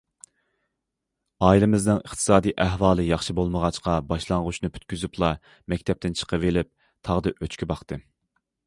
ئائىلىمىزنىڭ ئىقتىسادىي ئەھۋالى ياخشى بولمىغاچقا، باشلانغۇچنى پۈتكۈزۈپلا مەكتەپتىن چىقىۋېلىپ، تاغدا ئۆچكە باقتىم.